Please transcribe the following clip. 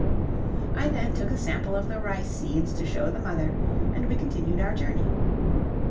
I then took a sample of the rice seeds to show the mother, and we continued our journey.